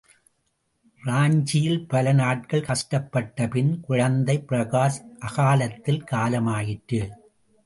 ராஞ்சியில் பல நாட்கள் கஷ்டப்பட்ட பின், குழந்தை பிரகாஷ் அகாலத்தில் காலமாயிற்று.